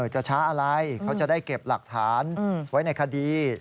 จะช้าอะไรเขาจะได้เก็บหลักฐานไว้ในคดี